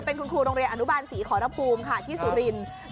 เป็นคุณครูโรงเรียนอนุบาลศรีขอรภูมิค่ะที่สุรินทร์